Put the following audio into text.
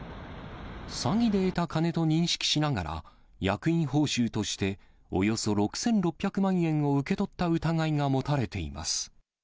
詐欺で得た金と認識しながら、役員報酬として、およそ６６００万円を受け取った疑いが持たれています。